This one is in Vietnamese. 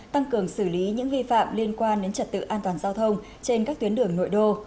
tăng cường xử lý những vi phạm liên quan đến trật tự an toàn giao thông trên các tuyến đường nội đô